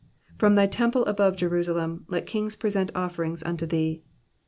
— 30 From Thy temple above Jerusalem Let kings present offerings unto Thee.